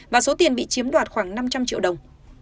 và số tiền bị chiếm đoạt khoảng năm trăm linh triệu đồng